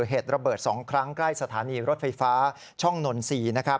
เหตุระเบิด๒ครั้งใกล้สถานีรถไฟฟ้าช่องนนทรีย์นะครับ